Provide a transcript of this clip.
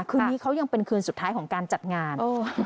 คืนนี้เขายังเป็นคืนสุดท้ายของการจัดงาน